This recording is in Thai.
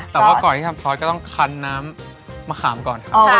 แต่ว่าก่อนที่ทำซอสก็ต้องคันน้ำมะขามก่อนครับ